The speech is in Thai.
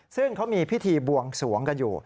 ซึ่งเขามีพิธีบวงสวงกันอยู่